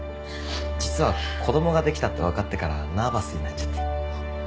実は子供ができたってわかってからナーバスになっちゃって。